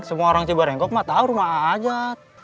semua orang cibarengkok mah tau rumah a'ah ajat